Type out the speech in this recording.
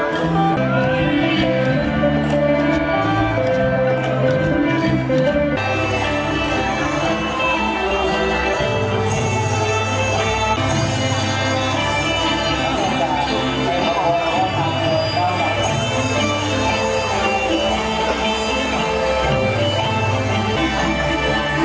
สวัสดีครับ